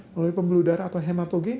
melalui pembuluh darah atau hematologi